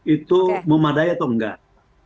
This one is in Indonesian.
itu memadai atau enggak